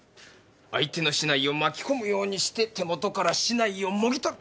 相手の竹刀を巻き込むようにして手元から竹刀をもぎ取る。